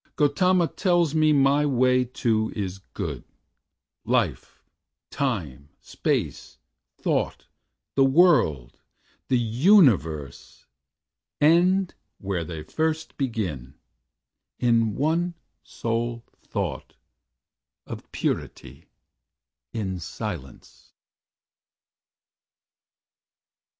"Gautama tells me my way too is good; Life, Time, Space, Thought, the World, the Universe End where they first begin, in one sole Thought Of Purity in Silence."